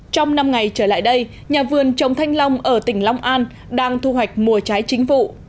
trong năm ngày trở lại đây nhà vườn trồng thanh long ở tỉnh long an đang thu hoạch mùa trái chính vụ